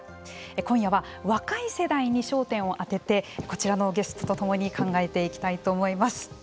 今夜は若い世代に焦点を当ててこちらのゲストと共に考えていきたいと思います。